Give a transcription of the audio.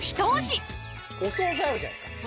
お総菜あるじゃないですか。